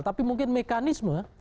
tapi mungkin mekanisme